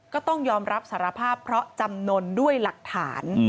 ก็ต้องยอมรับสารภาพเพราะจำนวนด้วยหลักฐาน